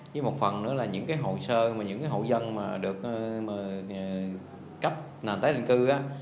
với một phần nữa là những cái hộ sơ mà những cái hộ dân mà được cấp nàm tái định cư á